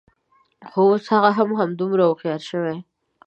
خو، اوس هغه هم همدومره هوښیاره شوې